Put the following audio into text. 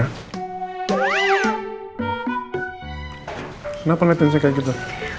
kenapa liat gini kayak gitu